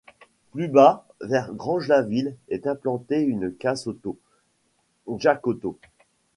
Plus bas, vers Granges-la-Ville, est implantée une casse auto, Jacqu'Auto.